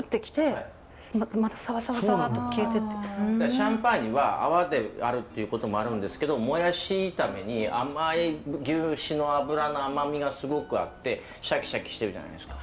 シャンパーニュは泡であるっていうこともあるんですけどもやし炒めに甘い牛脂の脂の甘みがすごくあってシャキシャキしてるじゃないですか。